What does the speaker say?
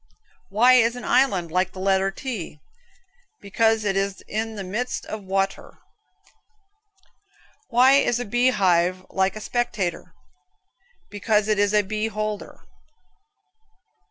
Why is an island like the letter T? Because it is in the midst of wa t er. Why is a bee hive like a spectator? Because it is a beeholder (beholder).